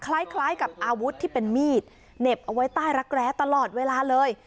คล้ายกับอาวุธที่เป็นมีดเหน็บเอาไว้ใต้รักแร้ตลอดเวลาเลย